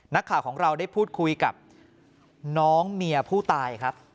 นักข่าวของเราได้พูดคุยกับน้องเมียผู้ตายครับ